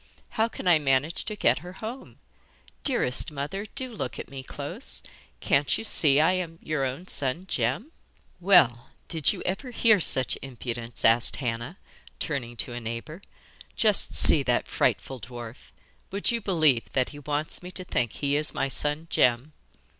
'How can I manage to get her home? Dearest mother, do look at me close. Can't you see I am your own son Jem?' 'Well, did you ever hear such impudence?' asked Hannah, turning to a neighbour. 'Just see that frightful dwarf would you believe that he wants me to think he is my son Jem?